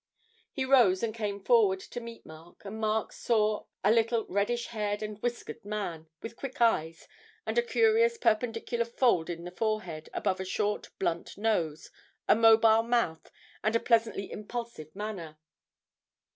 He rose and came forward to meet Mark, and Mark saw a little reddish haired and whiskered man, with quick eyes, and a curious perpendicular fold in the forehead above a short, blunt nose, a mobile mouth, and a pleasantly impulsive manner.